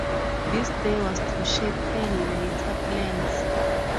This day was to shape her later plans.